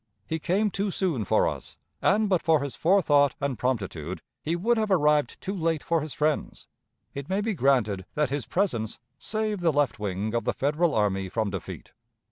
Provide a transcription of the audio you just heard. He came too soon for us, and, but for his forethought and promptitude, he would have arrived too late for his friends. It may be granted that his presence saved the left wing of the Federal army from defeat.